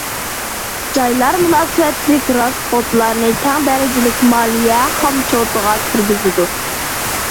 جايلار مۇناسىۋەتلىك راسخوتلارنى تەڭ دەرىجىلىك مالىيە خامچوتىغا كىرگۈزىدۇ.